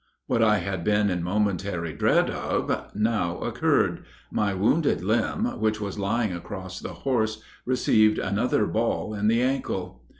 What I had been in momentary dread of now occurred my wounded limb, which was lying across the horse, received another ball in the ankle.